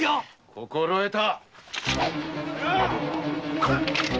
心得た。